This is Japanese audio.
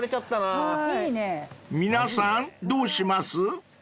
［皆さんどうします？］